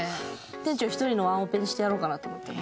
店長１人のワンオペにしてやろうかなと思って。